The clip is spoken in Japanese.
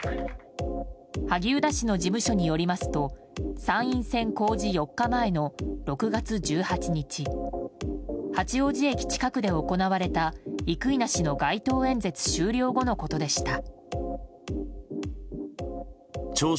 萩生田氏の事務所によりますと参院選公示４日前の６月１８日八王子駅近くで行われた生稲氏の街頭演説終了後のことでした。